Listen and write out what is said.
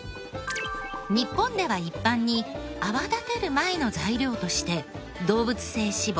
日本では一般に泡立てる前の材料として動物性脂肪